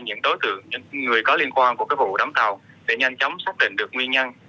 những đối tượng những người có liên quan của vụ đóng tàu để nhanh chóng xác định được nguyên nhân